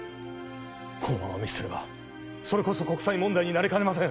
このまま見捨てればそれこそ国際問題になりかねません